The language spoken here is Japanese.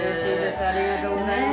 ありがとうございます。